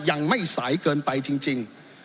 ยังไม่สายเกินไปจริง